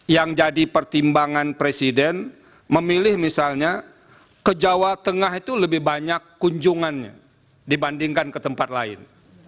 yang jadi pertimbangan presiden memilih misalnya ke jawa tengah itu lebih banyak kunjungannya dibandingkan ke tempat lain